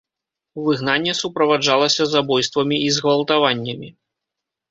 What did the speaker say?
Выгнанне суправаджалася забойствамі і згвалтаваннямі.